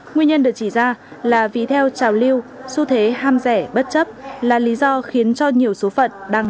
nguyên nhân được chỉ ra là vì theo trào lưu xu thế ham rẻ bất chấp là lý do khiến cho nhiều số phận